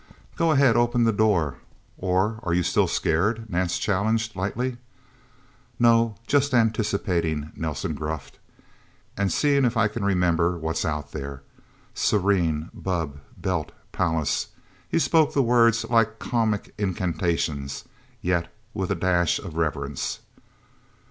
"Go ahead open the door. Or are you still scared?" Nance challenged lightly. "No just anticipating," Nelsen gruffed. "And seeing if I can remember what's Out There ... Serene, bubb, Belt, Pallas..." He spoke the words like comic incantations, yet with a dash of reverence.